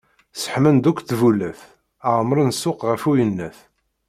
Sseḥman-d akk ṭbulat, ԑemren ssuq γef uyennat.